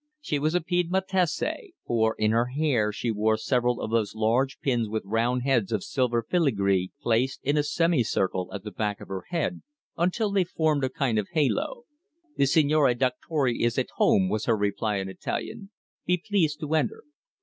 She was a Piedmontese, for in her hair she wore several of those large pins with round heads of silver filigree placed in a semicircle at the back of her head, until they formed a kind of halo. "The Signore Dottore is at home," was her reply in Italian. "Be pleased to enter."